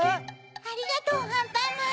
ありがとうアンパンマン！